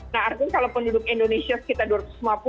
nah artinya kalau penduduk indonesia sekitar dua ratus lima puluh